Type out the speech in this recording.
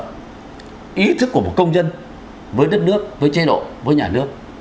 hiểu được ý thức của một công dân với đất nước với chế độ với nhà nước